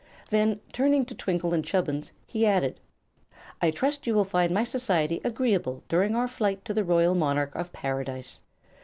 Then, turning to Twinkle and Chubbins, he added: "I trust you will find my society agreeable during our flight to the royal monarch of Paradise."